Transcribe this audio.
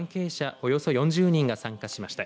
およそ４０人が参加しました。